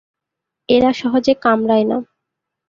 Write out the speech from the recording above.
এরা সহজে কামড়ায় না।